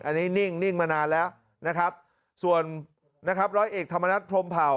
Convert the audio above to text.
อันนี้นิ่งนิ่งมานานแล้วนะครับส่วนนะครับร้อยเอกธรรมนัฐพรมเผ่า